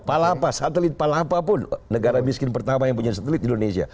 palapa satelit palapa pun negara miskin pertama yang punya satelit di indonesia